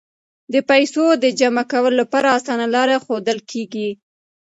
د پیسو د جمع کولو لپاره اسانه لارې ښودل کیږي.